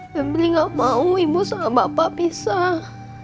febri gak mau ibu sama bapak pisah